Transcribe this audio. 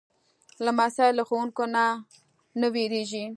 لمسی له ښوونکو نه نه وېرېږي.